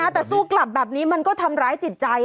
แต่สู้กลับแบบนี้มันก็ทำร้ายจิตใจ